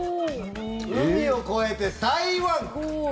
海を越えて台湾。